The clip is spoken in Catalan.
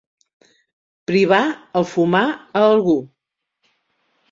Privar el fumar a algú.